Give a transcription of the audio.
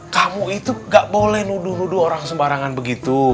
kamu itu gak boleh nuduh nuduh orang sembarangan begitu